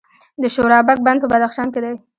د شورابک بند په بدخشان کې دی